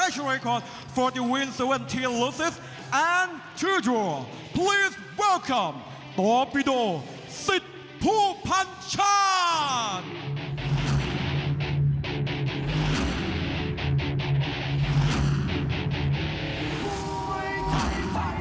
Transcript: สวัสดีครับต่อปีโด๑๐ผู้พลัญชาติ